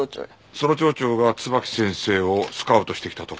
その町長が椿木先生をスカウトしてきたとか？